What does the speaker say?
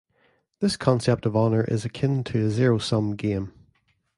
This concept of honour is akin to a zero-sum game.